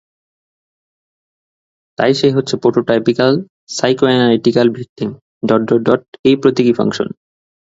তাই সে হচ্ছে প্রোটোটাইপিক্যাল সাইকোএনালাইটিক ভিকটিম... এই প্রতীকী ফাংশন'।